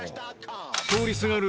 通りすがる